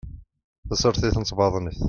Tasertit n tbaḍnit